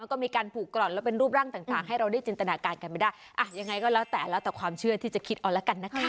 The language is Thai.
ก็คล้ายกัน